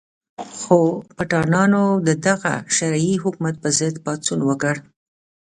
خو پټانانو د دغه شرعي حکومت په ضد پاڅون وکړ.